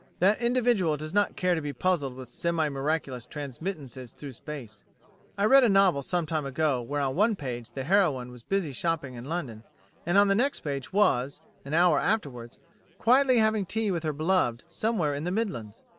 That individual does not care to be puzzled with semi miraculous transmittances through space. I read a novel some time ago, where on one page the heroine was busy shopping in London, and on the next page was an hour afterwards quietly having tea with her beloved somewhere in the Midlands.